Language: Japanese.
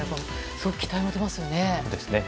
すごく期待が持てますよね。